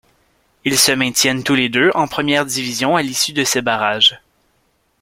Ils se maintiennent tous les deux en première division à l'issue de ces barrages.